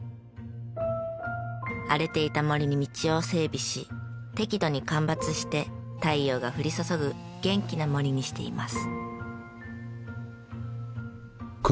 荒れていた森に道を整備し適度に間伐して太陽が降り注ぐ元気な森にしています。